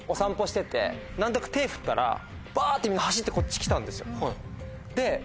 何となく手振ったらバってみんな走ってこっち来たんですよ。